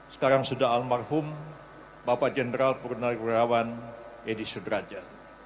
sekarang sudah almarhum bapak jenderal purna rewawan edi sudraja